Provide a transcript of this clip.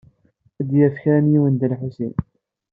Ad d-yaf kra n yiwen Dda Lḥusin.